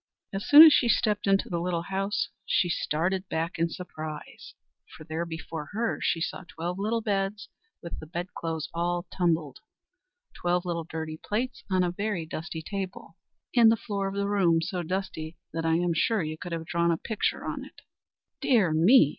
As soon as she stepped into the house, she started back in surprise; for there before her she saw twelve little beds with the bedclothes all tumbled, twelve little dirty plates on a very dusty table, and the floor of the room so dusty that I am sure you could have drawn a picture on it. "Dear me!"